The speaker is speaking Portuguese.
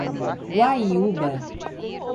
Guaiúba